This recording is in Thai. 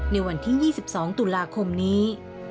ในวันที่๒๒ตุลาคมนี้